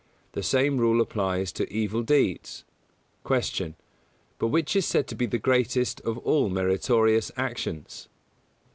The same rule applies to evil deeds. 160. Q. _But which is said to be the greatest of all meritorious actions?